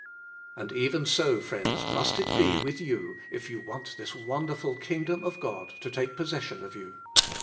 And even so, friends, must it be with you if 3^ou want this wonderful Kingdom of God to take possession of you.